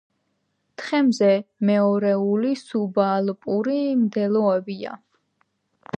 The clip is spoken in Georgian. თხემზე მეორეული სუბალპური მდელოებია.